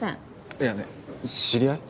いやねえ知り合い？